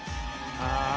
ああ。